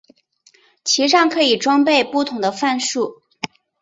其上可以装备不同的范数。